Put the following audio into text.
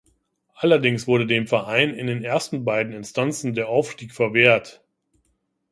Allerdings wurde dem Verein in den ersten beiden Instanzen der Aufstieg verwehrt.